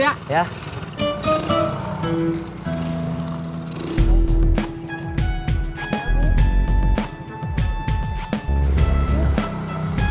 udah nyala nih man